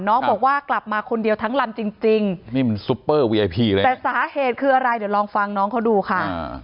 น้องบอกว่ากลับมาคนเดียวทั้งลำจริงแต่สาเหตุคืออะไรเดี๋ยวลองฟังน้องเขาดูค่ะ